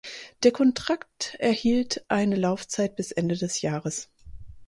Der Kontrakt erhielt eine Laufzeit bis Ende des Jahres.